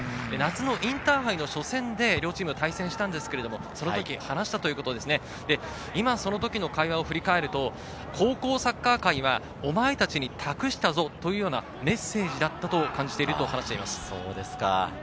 夏のインターハイの初戦で両チームが対戦したんですが、その時、話したということで今、その時の会話を振り返ると、高校サッカー界にはおまえたちに託したぞというようなメッセージだったと感じていると話しています。